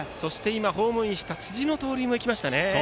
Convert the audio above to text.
ホームインした辻の盗塁も生きましたね。